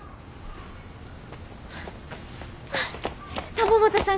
玉本さん